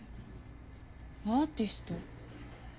アーティスト？